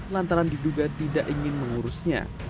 lantaran diduga tidak ingin mengurusnya